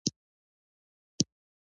درېیمې نجلۍ عکس اخیست.